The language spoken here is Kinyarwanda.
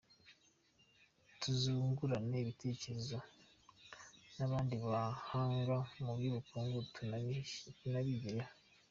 Tuzungurana ibitekerezo n’abandi bahanga mu bukungu tunabigireho.